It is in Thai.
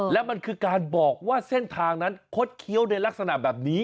และมันคือการบอกว่าเส้นทางนั้นคดเคี้ยวในลักษณะแบบนี้